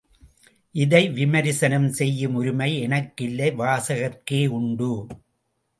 இதை விமரிசனம் செய்யும் உரிமை எனக்கு இல்லை வாசகர்க்கே உண்டு.